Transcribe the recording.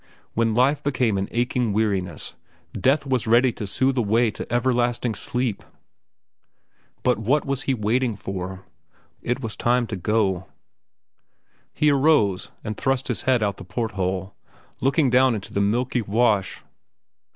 When life became an aching weariness, death was ready to soothe away to everlasting sleep. But what was he waiting for? It was time to go. He arose and thrust his head out the port hole, looking down into the milky wash.